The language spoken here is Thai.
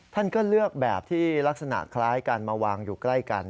ท่านก็เลือกแบบที่ลักษณะคล้ายกันมาวางอยู่ใกล้กัน